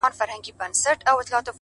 پوهه د پرمختللي ژوند بنسټ دی’